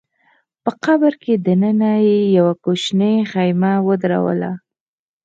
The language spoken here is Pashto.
په قبر کي دننه يې يوه کوچنۍ خېمه ودروله